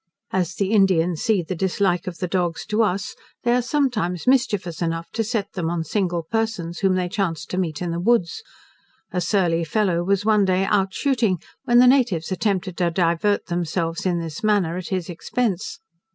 As the Indians see the dislike of the dogs to us, they are sometimes mischievous enough to set them on single persons whom they chance to meet in the woods. A surly fellow was one day out shooting, when the natives attempted to divert themselves in this manner at his expense.